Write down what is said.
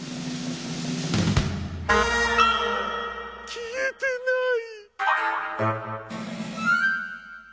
きえてない！